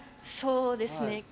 そうですね。